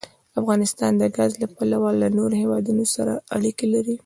افغانستان د ګاز له پلوه له نورو هېوادونو سره اړیکې لري.